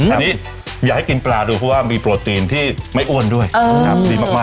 อันนี้อยากให้กินปลาดูเพราะว่ามีโปรตีนที่ไม่อ้วนด้วยดีมาก